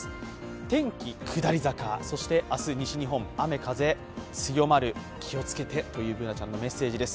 天気下り坂、明日、西日本雨風強まる、気をつけてというＢｏｏｎａちゃんのメッセージです。